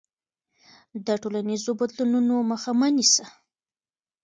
د ټولنیزو بدلونونو مخه مه نیسه.